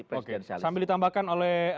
presiden sambil ditambahkan oleh